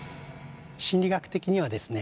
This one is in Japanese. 心理学的にはですね